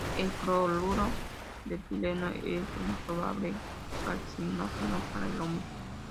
El cloruro de etileno es un probable carcinógeno para el hombre.